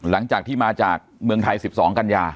วันนี้มาจากเมืองไทย๑๒กันยา